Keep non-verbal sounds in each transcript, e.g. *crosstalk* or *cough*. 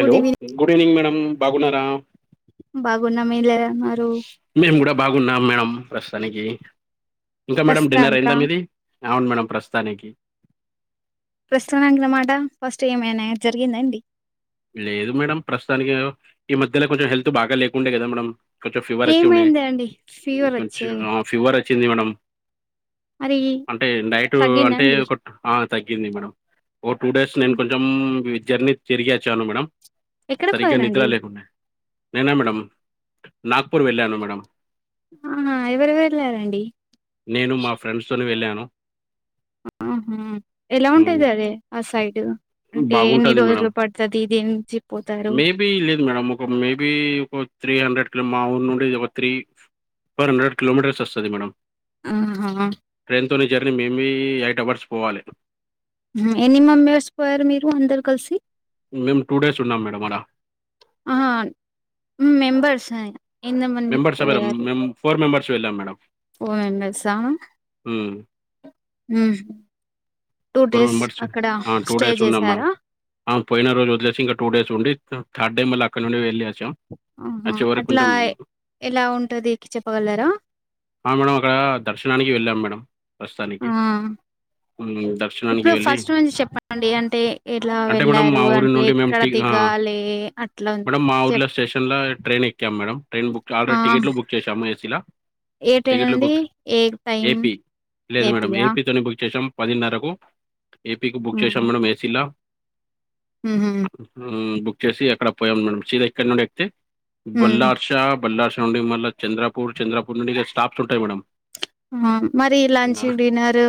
Good evening good evening madam బాగున్నారా బాగున్న మీరు ఎలా ఉన్నారు మేము కూడా బాగున్నాం మేడం ప్రస్తుతానికి ఇంకా మేడం డిన్నర్ ప్రస్తుతానికా అయిందా మీది అవును మేడం ప్రస్తుతానికి ప్రస్తుతనానికి మాట ఫస్ట్ ఏమైనా జరిగిందా అండి లేదు మేడం ప్రస్తుతానికి గా ఈ మధ్యలో కొంచెం హెల్త్ బాగా లేకుండే కదా మేడం కొంచం ఫీవర్ వచ్చి ఉండే ఏమైంది అండి ఫీవర్ కొచ్చి వచ్చే ఫీవర్ వచ్చింది మేడమ్ మరి అంటే నైటు తగ్గిందా అంటే అండి ఒక తగ్గింది మేడం ఓ టూ డేస్ నేను ఉమ్. కొంచెం జర్నీ జరిగి వచ్చాను మేడం ఎక్కడ సరిగ్గా నిద్ర పోయినండి లేకుండే నేనే మేడం నాగపూర్ వెళ్ళాను మేడం ఆహా ఎవరు వెళ్ళారండి నేను మా ఫ్రెండ్స్ తోని వెళ్ళాను ఆహా ఎలా ఉమ్, ఉంటాది అదే ఆ సైడ్ అంటే ఎన్ని రోజులు పడుతది దీని నుంచి పోతారు మేబి లేదు మేడం ఒక మేబి ఒక త్రీ హండ్రెడ్ కిలో మా ఊరు నుండి ఒక త్రీ ఫోర్ హండ్రెడ్ కిలోమీటర్స్ వస్తది మేడం ఆహా తోని జర్నీ మేమే ఎయిట్ అవర్స్ పోవాలి ఎన్ని మెంబర్స్ పోయారు మీరు అందరు కలిసి మేము టూ డేస్ ఉన్నాం మేడం అడా ఉ మెంబర్స్ హై మెంబెర్స్ ఆ మేడం మేం ఫోర్ మెంబర్స్ వెళ్ళాం మేడమ్ ఫోర్ మెంబెర్స్ ఆ హ్మ్. ఫోర్ మెంబర్స్ ఆ టూ డేస్ ఉన్నాం చేసారా మేడం పోయిన రోజు వదిలేసి ఇంకా టూ డేస్ ఉండి థర్డ్ డే మళ్ళీ అక్కడనుండి వెళ్ళి ఆ ఆహా అట్లా ఎలా ఉంటది చెప్పగలరా ఆ మేడం అక్కడ దర్శనానికి వెళ్ళాం మేడం ప్రస్తుతానికి ఆ హ్మ్. దర్శనానికి ఇప్పుడు వెళ్ళి ఫస్ట్ మంచి చెప్పండి అంటే ఎలా అంటే మేడం వెళ్లారు మా ఊరి అంటే నుండి మేము ఎక్కడ టీ ఆ! దిగాలే మేడం మా ఊర్ల స్టేషన్ల ట్రైన్ ఎక్కాము మేడమ్ ట్రైన్ బుక్ ఆ ఆల్రెడీ టికెట్లు బుక్ చేశాము ఏసీల ఏ ట్రైన్ టికెట్లు అండి బుక్ ఏ టైం ఏపీ లేదు మేడం ఏపియా ఏపీ తోని బుక్ చేసాం పదిన్నరకు ఏపీకి బుక్ ఉమ్, చేసాం మేడం ఏసీలా ఉహుం, బుక్ చేసి అక్కడ పోయాం మేడం సీదా ఇక్కడి నుండి ఎక్కితే ఉమ్, బల్లార్షా బల్లార్షా మళ్ళ చంద్రపూర్ చంద్రపూర్ నుండి ఇగ స్టాప్స్ ఉంటాయి మేడం హు మరి లంచ్ ఆ, డిన్నర్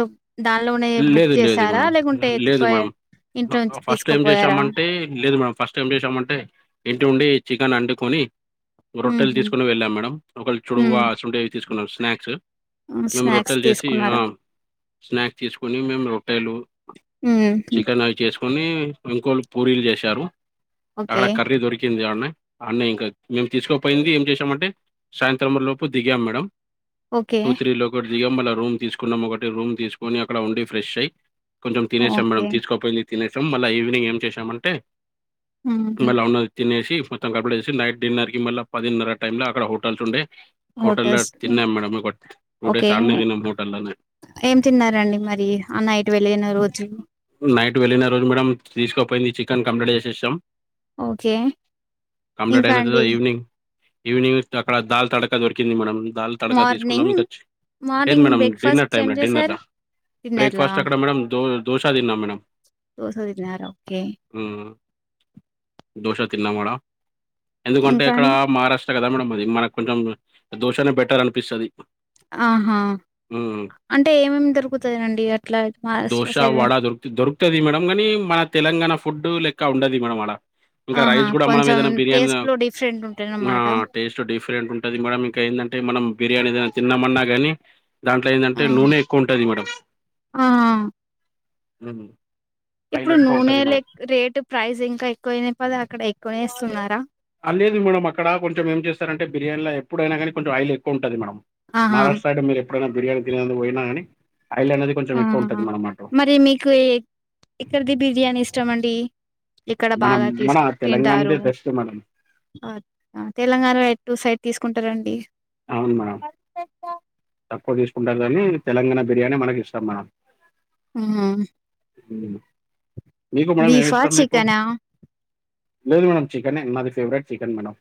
దానిలోనే బుక్ లేదు చేస్ లేదు స్తారా మేడం లేేకుంటె లేదు పై మేడం ఫస్ట్ టేమ్ చేసామంటే లేదు మే ఫస్ట్ ఎం చేసామంటే ఇంటి ఉండి చికెన్ వండుకొని రొట్టెలు ఉహుం, తీసుకుని వెళ్ళాం మేడం ఒక ఉమ్, చూడవా సుడే తీస్ తీకునం స్నాక్స్ మేము స్నాక్స్ రొట్టెలు చేసి తీసుకున్నారా స్నాక్స్ తీసుకోని మేం రో ట్టెలు ఉహుం, చికెన్ అవి చేసుకొని ఇంకోలు పూరీలు చేశారు అక్కడ ఓకే కర్రీ దొరికింది అడ్నే అడ్నే ఇంకా మేము తీసుకోపోయింది ఏం చేసామంటే సాయంత్రం లోపు దిగాం మేడం ఓకే. టూ త్రీ లో ఒక దిగి మళ్ల రూమ్ తీసుకున్నాం ఒకటి రూమ్ తీసుకుని అక్కడ ఉండి ఫ్రెష్ అయ్యి కొంచెం తినేసాం ఓకే. మేడం తీసుకోపోయింది తినేసాం, మళ్ళా ఈవినింగ్ ఏం చేశామంటే హుహు. మళ్ళ ఉన్నది తినేసి మొత్తం కంప్లీట్ చేసి నైట్ డిన్నర్ కి మళ్ళా పదిన్నర టైమ్ ల అక్కడ హోటల్స్ ఉండే హోటళ్ల హోటల్స్‌కి తిన్నాం మేడం ఒక టూ ఓకే. డేస్ ఆడనే తిన్నాం హోటళ్లనే ఏం తిన్నారండి మరి ఆ నైట్ వెళ్ళిన రోజు? నైట్ వెళ్ళిన రోజు మేడం తీసుకుపోయింది చికెన్ కంప్లీట్ చేసేసాం. ఓకే. కంప్లీట్ ఇంకా అయిపోయిన తర్వాత అండి ఈవినింగ్ ఈవినింగ్ అక్కడ దాల్ తడక దొరికింది మేడం. దాల్ తడక తీసుకున్నం మార్నింగ్, ఇంక చ్, లేదు morning madam dinner breakfast time ఏం ల డిన్నర్ చేశారు? ల డిన్నర్‌లా? బ్రేక్ఫాస్ట్ అక్కడ మేడం దో దోశ తిన్నాం మేడం. దోస తిన్నారా? ఓకే. ఉమ్ దోష తిన్నా మేడం ఎందుకంటే ఇంకా ఇక్కడ అండి? మహారాష్ట్ర కదా మేడం అది, మనకు కొంచం దోషానే బెటర్ అనిపిస్తది. ఆహా అంటే ఏమేమి దొరుకుతదండి, అట్లా మహారాష్ట్ర సైడ్ అని దొరుకుతది మేడం కనీ, మన తెలంగాణ ఫుడ్ లెక్క ఉండది మేడం అడ. ఇంకా ఆహా! రైస్ కూడా మనం కొంచెం ఏదైనా బిర్యాన్ టేస్ట్‌లో డిఫరెంట్ ఆ ఉంటాయన్నమాట. టేస్ట్ డిఫరెంట్ ఉంటది మేడం ఇంకా ఏంటంటే మనం బిర్యానీ తిన్నమన్నా గానీ దాంట్లో ఆ! ఏందంటే నూనె ఎక్కువ ఉంటుంది మేడం. ఆ! ఉమ్ ఇప్పుడు నూనె లే రేటు ప్రైస్ ఇంకా ఎక్కువయినయి కద అక్కడ ఎక్కువనే ఏస్తున్నారా? అ లేదు మేడం అక్కడ కొంచెం ఏం చేస్తరంటే బిర్యానీల ఎప్పుడైనా గానీ కొంచం ఆయిల్ ఎక్కువ ఉంటది మేడం. ఆహా! మహారాష్ట్ర సైడ్ మీరు ఎప్పుడైనా బిర్యానీ తినేందుకు పోయినా గని ఉహు మరి మీకు ఎక్కడిది బిర్యానీ ఇష్టమండి? ఇక్కడ మనం బాగా మన తీసుక్ తింటారు? తెలంగాణదే బెస్ట్ మేడం ఆ తెలంగాణలో ఎటు సైడ్ తీసుకుంటరం అవును మేడం తక్కువ్ ఇష్ ఉంటాం గని తెలంగాణ బిర్యానీ మనకి ఇష్టం మేడం. ఉహు ఉమ్ మీకు మేడం ఏం ఇష్టం మీకు? చికెనా లేదు మేడం చికనే నాకు ఫవరట్ చికన్ మేడం.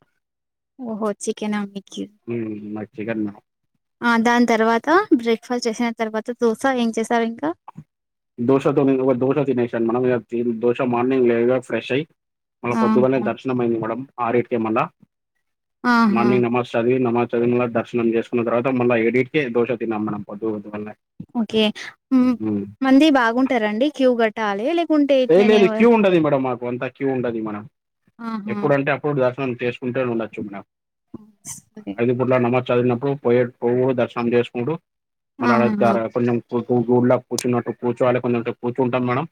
ఓహో చికెనా మీకి ఉమ్ నాకు చికన్ మేడం. ఆ దాని తర్వాత బ్రేక్ఫాస్ట్ చేసిన తర్వాత దోశ ఏం చేసారు ఇంకా? దోశతో నేను దోశ చేశాను మేడం, దోశ మార్నింగ్ లేవగా ఫ్రెష్ అయి మళ్ళ పొద్దుగాల్నే ఆహా దర్శనం అయింది మేడం, ఆరిటికే మల్ల, ఆహా! మార్నింగ్ నమాజ్ చదివి నమాజ్ చదివిన దర్శనం చేసుకున్న తర్వాత మళ్ళ ఏడిటికే దోష తిన్నాం మేడం పొద్దు పొద్దుగల్నే ఓకే ఉమ్ మంది బాగుంటరండి క్యూ గట్ట లేదు లేదు క్యూ ఉండది మేడమ్ మాక్ కొంత క్యూ ఉండది మేడం, ఆహా ఎప్పుడంటే అప్పుడు దర్శనం చేసుకుంటనే ఉండొచ్చు మేడం. సరే ఐదుపూట్ల నమజ్ చదివినప్పుడు పోయే పోవుడు దర్శనం చేసుకుడు. మళ్ళ ఆహా *unintelligible* కొంచం కూళ్ళ కూర్చున్నట్టు కూర్చోవాలి, కొంచం అంత కూర్చుంటాం మేడం.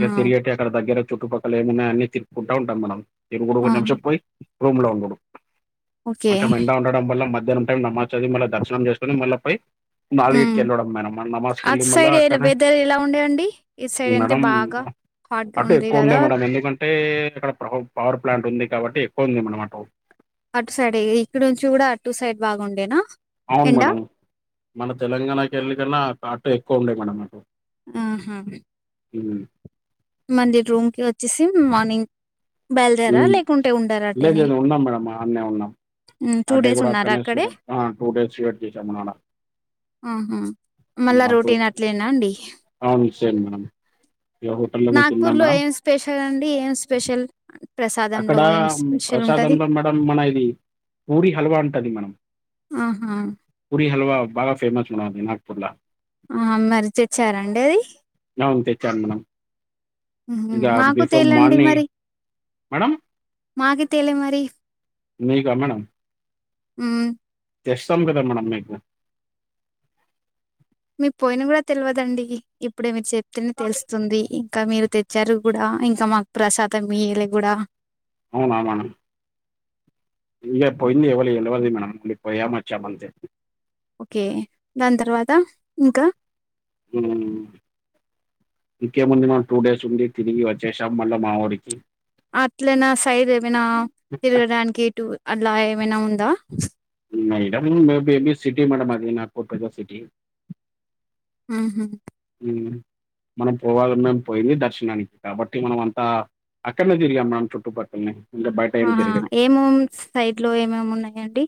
ఇగ తిరిగేటి అక్కడ దగ్గర చుట్టుపక్కల ఏమన్నయన్నీ తిరుకుంటా ఉంటాం మేడం ఈ మూడు మూడు ఆహా నిమిషం పోయి రూమ్ లో ఉండుడు ఓకే కొంచం ఎండ ఉండడం వల్ల, మధ్యాహ్నం టైం నమాజ్ చదివి మళ్ళా దర్శనం చేసుకుని మల్ల పోయి నాలుగి హ్మ్. టికి ఎల్లడం మేడం నమాజ్ కు అటు వెళ్లి మల్ల సైడ్ ఎలా అక్కడ వెదర్ ఎలా ఉండేయండి ఇటు సైడ్ మే అంటే మమ్ము బాగా హాట్ గా అటు ఉంది ఎక్కువ కదా ఉండై మేడం ఎందుకం టే అక్కడ ప్లవ పవర్ ప్లాంట్ ఉంది కాబట్టి ఎక్కువ ఉంది మేడం అటు అటు సైడ్ ఈ ఇక్కడ నుంచి గుడ అటు సైడ్ బాగుండేనా? అవును ఎండ మేడం, మన తెలంగాణకెళ్ళి కన్నా ఆ ఆటు ఎక్కువ ఉండయి మేడం అటు ఆహా ఉమ్ మంది రూమ్ కి వచ్చేసి మార్నింగ్ బయలుదేరా లేదు లేకుంటే ఉండరా అట్టేనే లేదు ఉన్నాం మేడం ఆన్నే ఉన్నాం టూ అ డే డేస్ కూడా ఉన్నారా అక్కడనే అక్కడే టూ డేస్ వెయిట్ చేసామున్నాడ. ఆహా మళ్ళా రొటీన్ *unintelligible* అట్లేనా అండి అవును సేమ్ మేడం ఎవర్ నాగ్పూర్ లో ఏం స్పెషల్ అండి ఏం స్పెషల్ అక్కడ ప్రసాదంలో ఏం స్పెషల్ ఉంటది ప్రసాదంలో మేడం మన ఇది పూరి హల్వా ఉంటది మనం ఆహా పూరి హల్వా బగా ఫేమస్ మనది నాగపూర్లా ఆ మరి చెచ్చారండి అది అవున్ తెచ్చాను మనం ఉహు ఇక మాకు బిఫోర్ తేలండి మార్నింగ్ మరి మేడం మాకి తేలే మరి మీకా మేడం ఊ తెస్తాం కదా మెడం మీకు మీ పోయిన కూడా తెలియదండి ఇప్పుడే మీరు చెప్తేనే తెలుస్తుంది. ఇంకా మీరు తెచ్చారు కూడా ఇంకా మాకు ప్రసాదం ఇయ్యలే కూడా ఇగ పోయింది ఎవళకి తెలవదు మనం ఇగ పొయ్యం వచ్చేం అంతే. ఓకే దాని తర్వాత ఇంకా హూ ఇంకే ముంది మా టూ డేస్ ఉండి తిరిగి వచ్చేసాం మళ్ళా మా ఊరికి అట్లనా సైడ్ ఏమైనా తిరగడానికి ఇటు అలా ఏమైనా ఉందా ఇక ఈడ బి బేబీ అది కూడా పెద్ద సిటీ మేడం అది నార్కో సిటీ. ఆహ ఊమ్ మనం పోవాలన్నం పోయింది దర్శనానికి కాబట్టి మనం అంతా అక్కన్నే దిరిగామ్ మేడం చుట్టు పక్కన్నే ఆహా ఏమోం సైడ్ లో ఏమేమి ఉన్నాయండి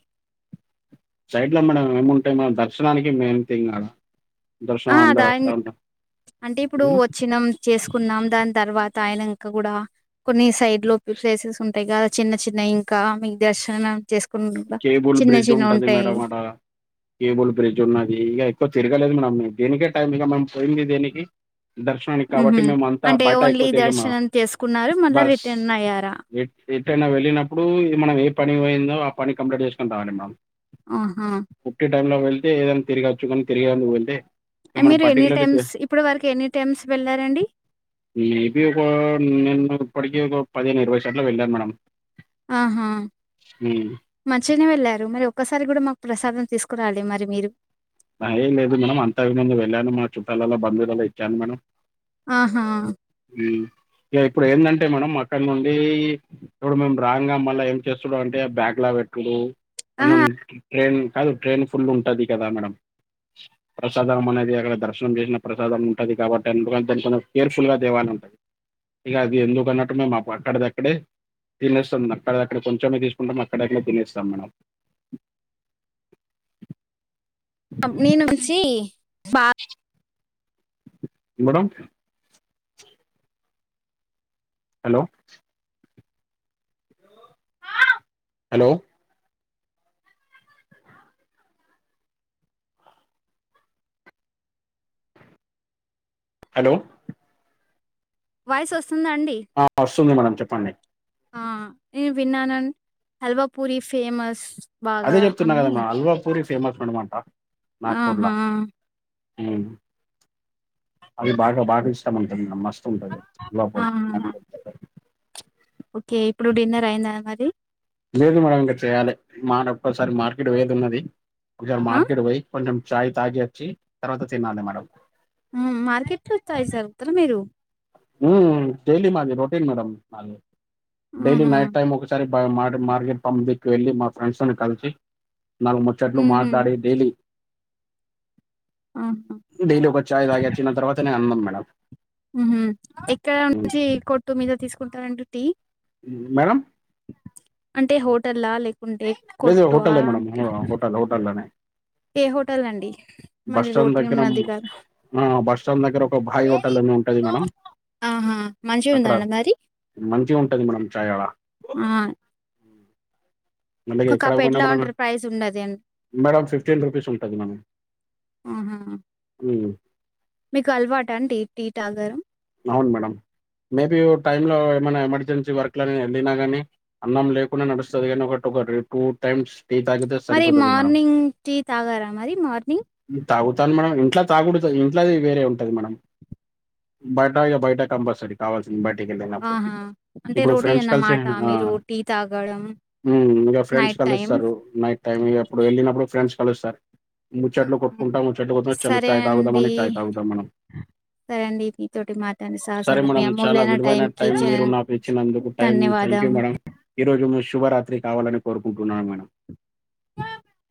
సైడ్ లో మేడం ఏముంటాయి మేడం దర్శనానికి మేమి తిర *unintelligible* ఆ దాన్ అంటే ఇప్పుడు హ్మ్. వచ్చినం చేసుకున్నాం దాని తర్వా త అయినంక కూడా కొన్ని సైడ్ లో ప్లేసెస్ ఉంటాయి కదా చిన్న చిన్న ఇంకా మీకు దర్శనం చేసుకుని కూడా కేబుల్ చిన్న బ్రిడ్జ్ చిన్న ఉంటది ఉంటాయి మేడం ఆడ కేబుల్ బ్రిడ్జ్ ఉన్నది ఇగ ఎక్కు తిరగలేదు మేమ్ దీనికే టైం ఇగ మనం పోయిండేది దేనికి దర్శనానికి హుహు. కాబట్టి మేము అంతా అంటే బయట ఓన్లీ ఎక్కువ తిరిగాము దర్శనం చేసుకున్నారు. మళ్ళా బస్ రిటర్న్ అయ్యారా? ఎట్ ఎటైనా వెళ్ళినప్పుడు మనం ఏ పని పోయిందో ఆ పని కంప్లీట్ చేసుకుొని రావాలి మేడం ఆహా టైం లో వెళ్తే ఏదైన తిరగచ్చు గని తిరిగేందుకు వెళ్తే ఇక మనం మీరు ఎన్నీ పర్టికులర్లీ టైమ్స్ ఇప్పుడు వరకు ఎన్నీ టైమ్స్ వెళ్ళారండి మేబీ ఒక నేను ఇప్పడికి ఒక పదిహేను ఇరవై సార్లు వెళ్ళాను మేడం ఆహ ఉమ్. మంచిగానే వెళ్ళారు మరి ఒక్కసారి కూడా మాకు ప్రసాదం తీసుకురాలె మరి మీరు అయేం లేదు మేడం అంతకు ముందు వెళ్ళాను మన చుట్టాలలో బంధువులలో ఇచ్చాను మేడం ఆహ ఇగ ఇప్పుడు ఏందంటే మేడం అక్కడ నుండి ఇప్పుడు మేము రాంగా మళ్ళా ఏం చేస్తుడు అంటే బ్యాగ్లో ఎకుడు మనం ఆహా! ట్రైన్ కాదు ట్రైన్ ఫుల్ ఉంటది కదా మేడం. అ ప్రసాదం అనేది అక్కడ దర్శనం జేసిన ప్రసాదం ఉంటది కాబట్టి ఎందుకంటే కొంచెం కేర్ఫుల్ గా దేవాలని ఉంటది ఇగ అది ఎందుకు అన్నట్టు మేము మా అక్కడది అక్కడే తినేస్తాం అక్కడ దక్కడే కొంచెమే తీసుకుంటాం అక్కడక్కడే తినేస్తాం మెడం న *unintelligible* నుంచిి పా madam hello hello hello voice వస్త్ ఆ వస్తుంది మేడం చెప్పండి. ఆ నేను విన్నానం *inaudible* హల్వా పూరి ఫేమస్. అదే బాగా చెప్తున్నా అని. కదా మే హల్వా పూరి ఫేమస్ మేడం అంటా. ఆహా ఊ అది బాగా బాగా ఇష్టం ఉంటుంది మేడం మస్త్ ఉంటది హల్వా పూరి *inaudible* ఒకే ఇప్పుడు డిన్నర్ అయిందా మరి. లేదు మేడం ఇంకా చెయాలే. మానొక్కసారి మార్కెట్ పోయేది ఉన్నది. కు జార్ ఆ! మార్కెట్ పోయి, కొంచెం ఛాయ్ తాగి వచ్చీ, తర్వాత తినాలె మాడం. ఊమ్మ్ మార్కెట్లో ఛాయ్ సాగుతార మీరు. ఊ డైలీ మాది రొటీన్ మేడం మాది. డైలీ ఆహా! నైట్ టైమ్ ఒకసారి. బాయి మార్గెట్ మార్కెట్ పంప్ దిక్కు వెళ్ళి మా ఫ్రెండ్స్ తోని కల్సి నాలుగు ముచ్చట్లు ఉహూ మాట్లాడి డైలీ. ఆహా! డైలీ ఒక ఛాయ్ తాగి వచ్చిన తర్వాతనే అన్నం మేడం. ఊహు ఎక్కడ నుంచీ కొట్టు మీద తీసుకుంటారండి టీ. మేడం అంటే హోటళ్ళా లేక్ కుంటే లేదు కొట్టు ఆ హోటలే మేడం టే హోటల్ హోటల్లోనే ఏ హోటల్ అండి. బస్ మరి స్టాండ్ రోటీన్ దగ్గర ఉన్నది కదా. ఓ భాయ్ హోటల్ అని ఉంటది మేడం. ఆహా! మంచిగుందా అక్కడ అండి మరి? మంచిగ ఉంటది మేడం ఛాయ్ ఆడా. ఆ మళ్ళ ఇగ ఒక కప్ ఎక్కడకు పోయినా ఎట్లా మనం. ఉంటారు ప్రైస్ ఉండది అండి. మేడం ఫిఫ్టీన్ రూపీస్ ఉంటది మనం. అవునా మీకు అలవాటా అండి టీ టాగారం. అవును మేడం. మేబీ ఓ టైం లో ఏమన్నా ఎమర్జెన్సీ వర్క్ లో నే ఎళ్ళినా గానీ. అన్నం లేకున్నా నడుస్తది గానీ ఒక టొ ఒకటీ టూ టైమ్స్ టీ తాగితే మరి సరిపోతది మేడం. మార్నింగ్ టీ తాగారా మరి మార్నింగ్? టీ తాగొద్ద్ తాని మేడం ఇంట్ల తాగుడుత ఇంట్లది వేరే ఉంటది మేడం. బయటా ఇగ బయటా కంపల్సరీ కావాల్సింద్ బయట్ కెళ్ళినప్పుడు. ఆహా! అంటే ఇప్పుడూ రోటీ ఫ్రెండ్స్ కల్సీ అన్నమాట నేను ఆ మీరు టీ తాగడం ఊ ఇగ ఫ్రెండ్స్ నైట్ టైం. కలుస్తరూ. నైట్ టైమ్ ఇగ అప్పుడు వెళ్ళినప్పుడు ఫ్రెండ్స్ కలుస్తరు. ముచ్చట్లు కొట్టుకుంటా ముచ్చట్లు కొట్టుకొని ఛలో సరే ఛాయ్ తాగుదాం అండి. అని చాయ్ తాగుదాం మనం. సరే అండి *unintelligible* తోటి మాట్లాడి సరే *unintelligible* మీ మేడం చాలా అమ్మోలేన టైం విలువైన కీ మీరు *unintelligible* ధన్యవాదం ఈ రోజు మి శుభరాత్రి కావాలని కోరుకుంటున్నాను మేడం. ఆ